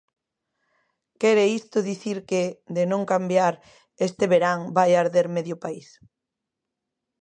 Quere isto dicir que, de non cambiar, este verán vai arder medio país.